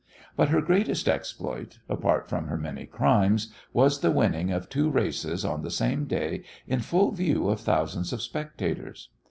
But her greatest exploit, apart from her many crimes, was the winning of two races on the same day in full view of thousands of spectators.